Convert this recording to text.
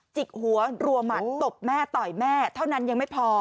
จิกหัวรัวหมัดตบแม่ต่อยแม่เท่านั้นยังไม่พอ